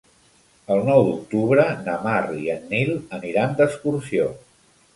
El nou d'octubre na Mar i en Nil aniran d'excursió.